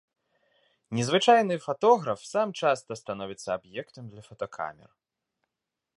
Незвычайны фатограф сам часта становіцца аб'ектам для фотакамер.